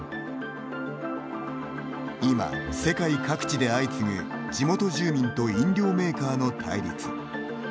今、世界各地で相次ぐ地元住民と飲料メーカーの対立。